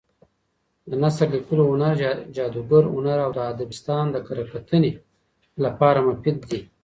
د نثر لیکلو هنر، جادګر هنر او ادبستان د کره کتنې لپاره مفید دي.